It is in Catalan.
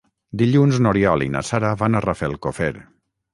Dilluns n'Oriol i na Sara van a Rafelcofer.